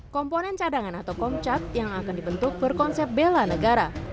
komponen cadangan atau komcat yang akan dibentuk berkonsep bela negara